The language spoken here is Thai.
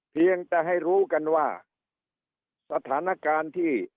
เพียงแต่ให้รู้กันว่าสถานการณ์ที่